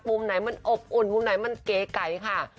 มุมไหนมันอบอุ่นมุมไหนมันเก๋ไก่ค่ะ